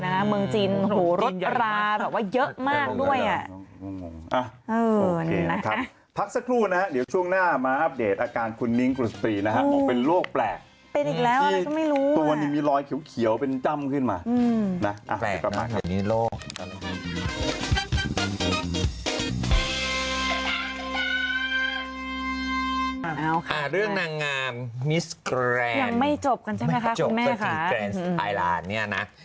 เรื่องนางงามมิสแกรนด์ยังไม่จบกันใช่ไหมครับคุณแม่ค่ะ